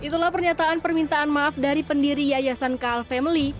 itulah pernyataan permintaan maaf dari pendiri yayasan kal family